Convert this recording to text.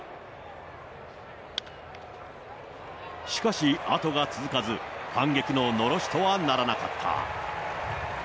しかし、後が続かず、反撃ののろしとはならなかった。